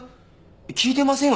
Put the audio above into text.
聞いてませんよ